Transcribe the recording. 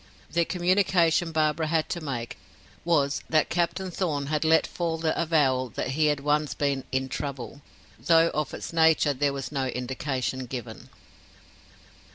The communication Barbara had to make was, that Captain Thorn had let fall the avowal that he had once been "in trouble," though of its nature there was no indication given.